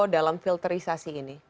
dalam filterisasi ini